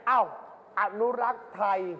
อ้าวอันุรักไทย